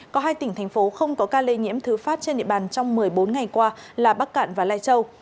có hai tỉnh thành phố không có ca lây nhiễm thứ phát trên địa bàn trong một mươi bốn ngày qua là bắc cạn và lai châu